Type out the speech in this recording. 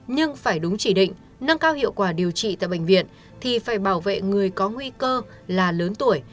nhưng phải đúng chỉ định nâng cao hiệu quả điều trị tại bệnh viện thì phải bảo vệ người có nguy cơ là lớn tuổi